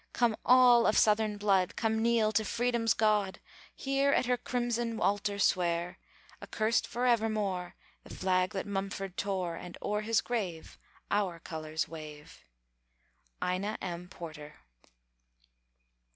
Come all of Southern blood, Come kneel to Freedom's God! Here at her crimson altar swear! Accursed forever more The flag that Mumford tore, And o'er his grave Our colors wave. INA M. PORTER.